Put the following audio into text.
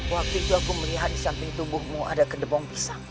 waktu itu aku melihat di samping tubuhmu ada kedebong pisang